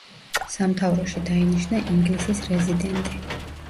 სამთავროში დაინიშნა ინგლისის რეზიდენტი.